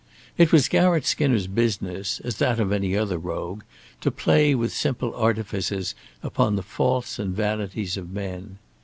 It was Garratt Skinner's business, as that of any other rogue, to play with simple artifices upon the faults and vanities of men.